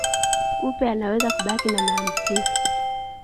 Kupe anaweza kubaki na maambukizi